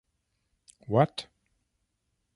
What?